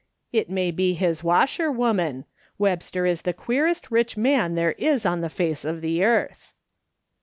' It may be his washerwoman ! Webster is the queerest rich man there is on the face of the earth.'